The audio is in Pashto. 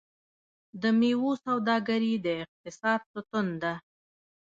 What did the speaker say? د میوو سوداګري د اقتصاد ستون ده.